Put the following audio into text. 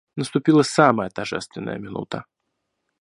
Наступила самая торжественная минута.